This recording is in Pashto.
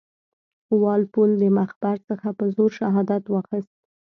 وال پول د مخبر څخه په زور شهادت واخیست.